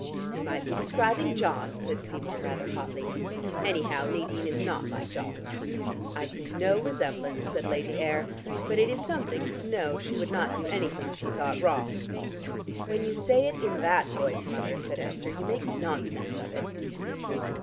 "You might be describing John," said Seymour rather hotly. "Anyhow, Nadine is not like John." "I see no resemblance," said Lady Ayr. "But it is something to know she would not do anything she thought wrong." "When you say it in that voice, Mother," said Esther, "you make nonsense of it."